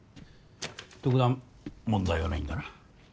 特段問題はないんだな？